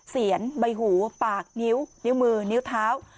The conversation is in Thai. เสียนใบหูปากนิ้วนิ้วมือนิ้วเท้า